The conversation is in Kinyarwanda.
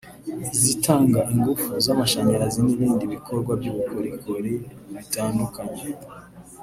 izitanga ingufu z’amashanyarazi n’ibindi bikorwa by’ubukorikori bitandukanye